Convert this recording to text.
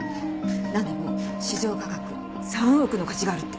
なんでも市場価格３億の価値があるって。